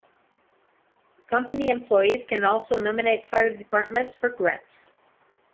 Company employees can also nominate fire departments for grants.